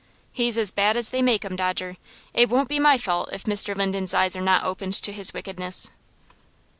"He's as bad as they make 'em, Dodger. It won't be my fault if Mr. Linden's eyes are not opened to his wickedness."